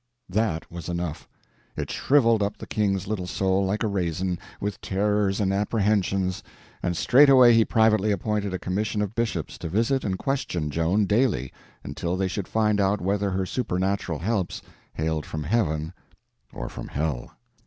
That was enough. It shriveled up the King's little soul like a raisin, with terrors and apprehensions, and straightway he privately appointed a commission of bishops to visit and question Joan daily until they should find out whether her supernatural helps hailed from heaven or from hell.